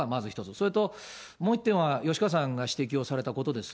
それともう１点は、吉川さんが指摘をされたことです。